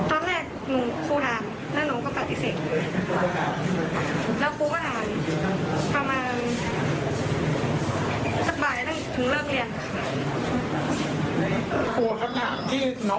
หรือว่ายอมรับว่าเป็นคุณอุ้น